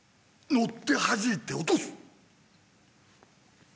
乗ってはじいて出す！